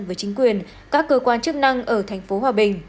với chính quyền các cơ quan chức năng ở thành phố hòa bình